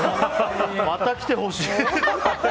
また来てほしい！